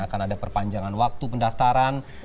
akan ada perpanjangan waktu pendaftaran